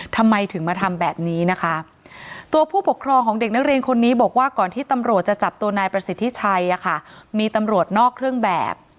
ทำไมถึงมาทำแบบนี้นะคะ